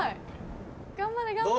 頑張れ頑張れ。